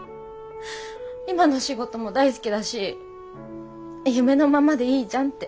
今の仕事も大好きだし夢のままでいいじゃんって。